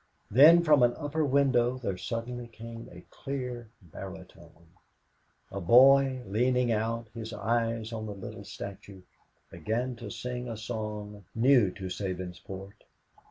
Then from an upper window, there suddenly came a clear baritone. A boy, leaning out, his eyes on the little statue, began to sing a song new to Sabinsport.